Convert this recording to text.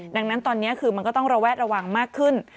ดังนั้นตอนนี้คือมันก็ต้องระแวดระวังมากขึ้น